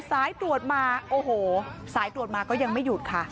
สายตรวจมาโอ้โหสายตรวจมาก็ยังไม่หยุดค่ะ